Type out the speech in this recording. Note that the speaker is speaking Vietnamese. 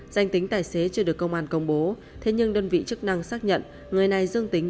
danh tính tài xế chưa được công an công bố thế nhưng đơn vị chức năng xác nhận người này dương tính